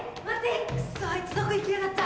クソあいつどこ行きやがった。